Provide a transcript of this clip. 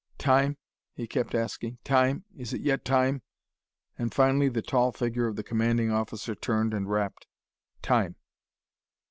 "Time?" he kept asking. "Time? Is it yet time?" And finally the tall figure of the Commanding Officer turned and rapped: "Time!"